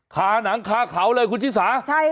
ข้าหนังข้าเขาเลยครับคุณฉินสา